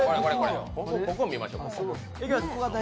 ここを見ましょう。